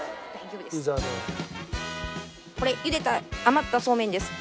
これゆでた余ったそうめんです。